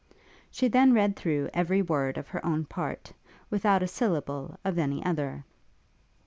She then read through every word of her own part, without a syllable of any other.